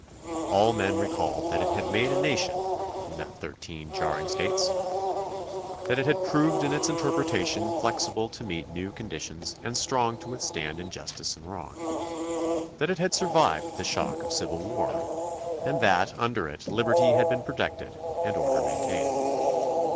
All men recalled that it had made a nation from thirteen jarring States; that it had proved in its interpretation flexible to meet new conditions and strong to withstand in justice and wrong; that it had survived the shock of civil war; and that under it liberty had been protected and order maintained.